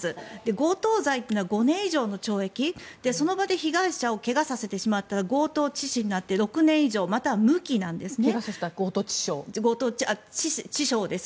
強盗罪というのは５年以上の懲役その場で被害者を怪我させてしまったら強盗致死になって６年以上怪我をさせたら強盗致傷。